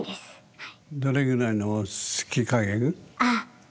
はい。